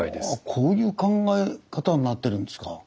はあこういう考え方になってるんですか。